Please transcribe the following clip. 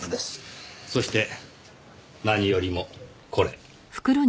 そして何よりもこれ。